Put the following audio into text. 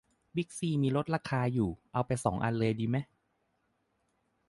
บิ๊กซีมีลดราคาอยู่ เอาไปสองอันเลยดีไหม